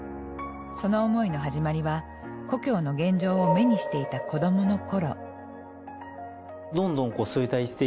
その思いの始まりは故郷の現状を目にしていた子どもの頃。